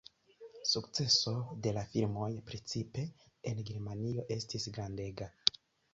Sukceso de la filmoj precipe en Germanio estis grandega.